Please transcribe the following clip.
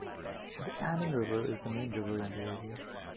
The Anning River is the main river in the area.